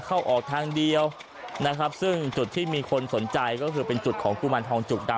เข้าออกทางเดียวนะครับซึ่งจุดที่มีคนสนใจก็คือเป็นจุดของกุมารทองจุกดำ